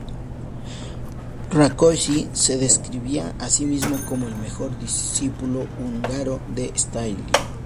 Rákosi se describía a sí mismo como "el mejor discípulo húngaro de Stalin".